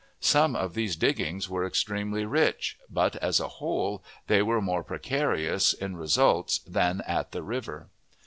Some of these "diggings" were extremely rich, but as a whole they were more precarious in results than at the river.